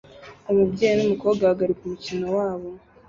Umubyeyi numukobwa bahagarika umukino wabo